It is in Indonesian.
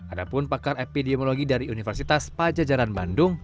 adapun pakar epidemiologi dari universitas pajajaran bandung